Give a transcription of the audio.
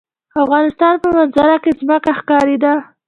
د افغانستان په منظره کې ځمکه ښکاره ده.